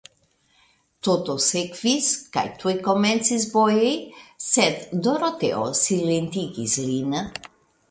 Toto sekvis, kaj tuj komencis boji, sed Doroteo silentigis lin.